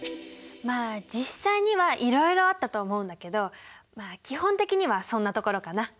まあ実際にはいろいろあったと思うんだけど基本的にはそんなところかな。